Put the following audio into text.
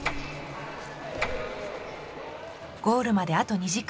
ゴールまであと２時間。